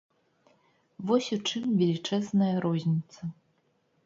Вось у чым велічэзная розніца.